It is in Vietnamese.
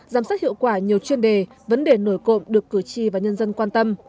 giám sát hiệu quả nhiều chuyên đề vấn đề nổi cộng được cử tri và nhân dân quan tâm